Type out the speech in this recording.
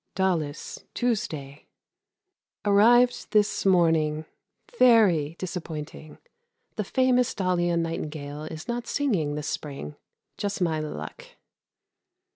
Daulis, Tuesday. Arrived this morning. Very disappointing; the famous Daulian nightingale is not singing this spring. Just my luck.